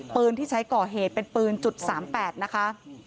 ปืนที่ใช้ก่อเหตุเป็นปืน๓๘นะคะ